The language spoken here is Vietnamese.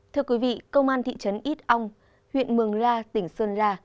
thưa quý vị công an thị trấn ít ong huyện mường la tỉnh sơn la